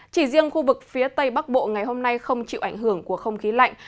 chỉ riêng khu vực phía tây bắc bộ ngày hôm nay không chịu ảnh hưởng của không khí lạnh